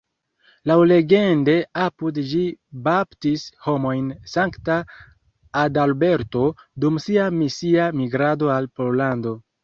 Laŭlegende apud ĝi baptis homojn Sankta Adalberto, dum sia misia migrado al Pollando.